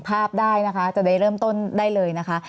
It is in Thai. ภาพได้นะคะจะได้เริ่มต้นได้เลยนะคะ